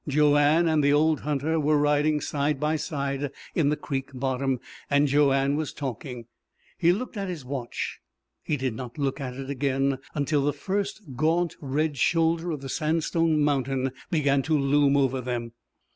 Joanne and the old hunter were riding side by side in the creek bottom, and Joanne was talking. He looked at his watch. He did not look at it again until the first gaunt, red shoulder of the sandstone mountain began to loom over them.